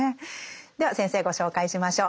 では先生ご紹介しましょう。